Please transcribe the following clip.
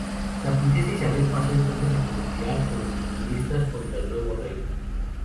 La princesa Isabel pasó entonces a conspirar con los comunistas contra el nuevo rey.